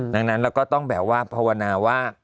ดังนั้นเราก็ต้องแบบว่าภาวนาว่า